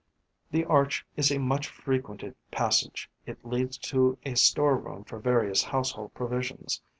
The arch is a much frequented passage: it leads to a store room for various household provisions.